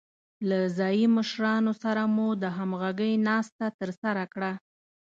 له ځايي مشرانو سره مو د همغږۍ ناسته ترسره کړه.